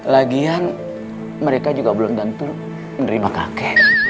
lagian mereka juga belum tentu menerima kakek